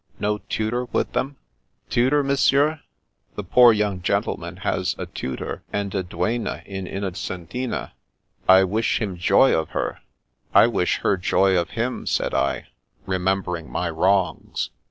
No tutor with them ?"" Tutor, Monsieur ? The poor young gentleman has a tutor and a duenna in Innocentina. I wish him joy of her." *' I wish her joy of him," said I, remembering my wrongs.